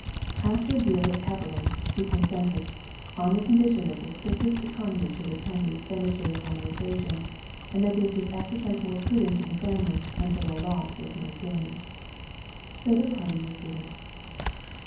After a deal of cavilling, he consented, on the condition that the strictest economy should attend the expenditures on the occasion, and that they should exercise more prudence in the family, until their loss was made gain. So the party was given.